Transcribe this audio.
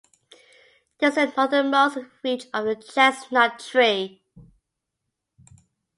This is the northernmost reach of the chestnut tree.